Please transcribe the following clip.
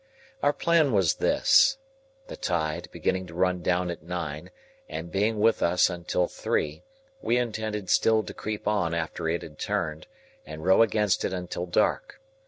Our plan was this. The tide, beginning to run down at nine, and being with us until three, we intended still to creep on after it had turned, and row against it until dark.